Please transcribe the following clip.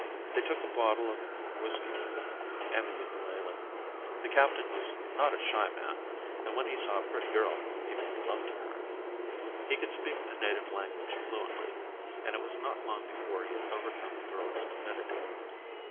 They took a bottle of whisky with them and the ukalele. The captain was not a shy man and when he saw a pretty girl he made love to her. He could speak the native language fluently and it was not long before he had overcome the girl's timidity.